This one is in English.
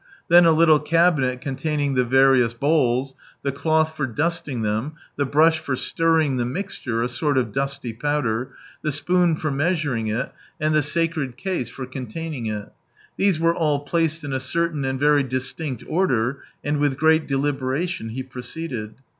Then a little cabinet containing the various bowis, the cloth for dusting them, the brush for stirring the /\\ j mixture, (a sort of dusty powder) the spoon for measur ing it, and the sacred case for containing it. These were all placed in a certain, and very distinct order, and with great de liberation he proceeded.